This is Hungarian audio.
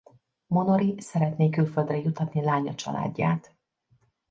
Monori szeretné külföldre juttatni lánya családját.